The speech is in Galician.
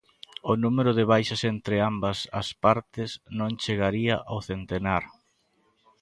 O número de baixas entre ambas as partes non chegaría ao centenar.